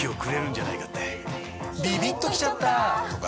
ビビッときちゃった！とか